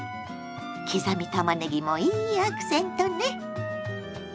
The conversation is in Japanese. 刻みたまねぎもいいアクセントね。